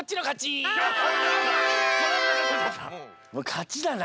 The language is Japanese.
かちだな。